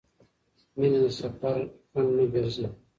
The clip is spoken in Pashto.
مینه د سفر خنډ نه ګرځي.